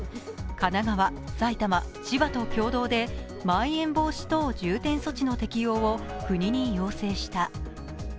神奈川、埼玉、千葉と共同でまん延防止等重点措置の適用を国に要請した。